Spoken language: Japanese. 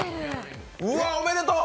うわっ、おめでとう！！